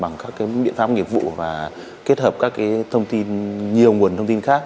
bằng các cái biện pháp nghiệp vụ và kết hợp các cái thông tin nhiều nguồn thông tin khác